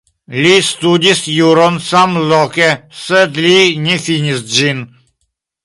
Li studis juron samloke, sed li ne finis ĝin.